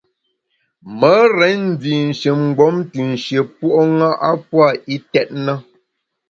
Me rén ndi shin mgbom te nshié puo’ ṅa a pua’ itèt na.